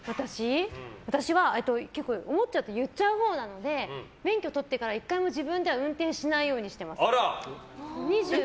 私は思っちゃうと言っちゃうほうなので免許取ってから１回も自分では運転しないようにしてます。